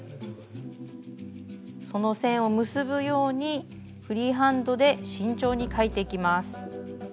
その線を結ぶようにフリーハンドで慎重に描いていきます。